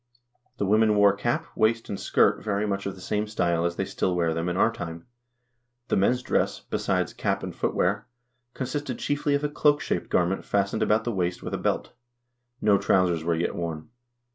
The women wore cap, waist, and skirt, very much of the same style as they still wear them in our time. The men's dress, besides cap and footwear, con sisted chiefly of a cloak shaped garment fastened about the waist with a belt. No trousers were yet worn.